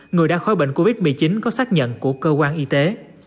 người đã khỏi bệnh covid một mươi chín có xác nhận của cơ quan y tế